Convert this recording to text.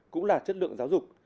cũng là chất lượng giáo dục